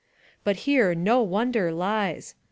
But here no wonder lies.